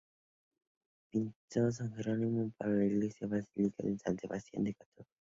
Pintó "San Jerónimo" para la iglesia de Basílica de San Sebastián de las Catacumbas.